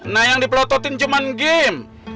nah yang dipelototin cuma game